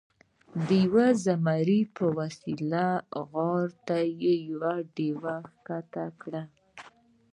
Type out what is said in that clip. د یوه مزي په وسیله یې غار ته ډیوه ښکته کړه.